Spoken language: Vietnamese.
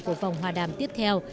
của vòng hòa đàm tiếp theo